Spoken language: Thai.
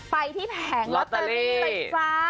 ไปที่แผงลอตเตอรี่เลยจ้า